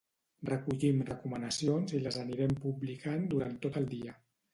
Recollim recomanacions i les anirem publicant durant tot el dia.